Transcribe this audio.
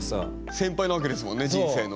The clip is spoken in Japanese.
先輩なわけですもんね人生の。